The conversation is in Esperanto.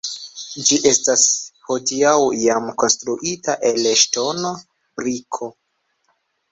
Ĝi estas hodiaŭ jam konstruita el ŝtono, briko.